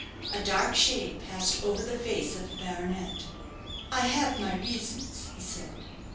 A dark shade passed over the face of the baronet. "I have my reasons," he said.